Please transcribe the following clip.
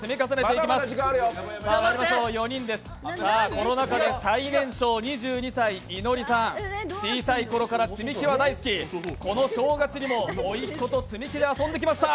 この中で最年少２２歳いのりさん、小さい頃から積み木は大好き、この正月にもおいっ子と積み木で遊んできました。